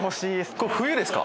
これ冬ですか？